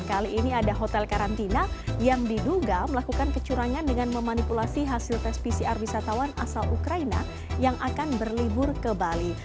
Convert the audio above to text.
kali ini ada hotel karantina yang diduga melakukan kecurangan dengan memanipulasi hasil tes pcr wisatawan asal ukraina yang akan berlibur ke bali